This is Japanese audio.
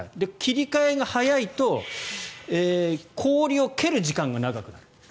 切り替えが早いと氷を蹴る時間が長くなる。